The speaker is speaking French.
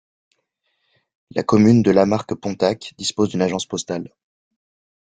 La commune de Lamarque-Pontacq dispose d'une agence postale.